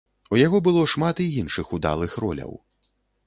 У яго было шмат і іншых удалых роляў.